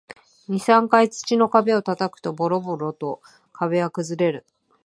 二、三回土の壁を叩くと、ボロボロと壁は崩れる